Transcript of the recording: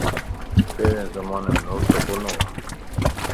پھرين زمانيم نوٽ ڪون ھوا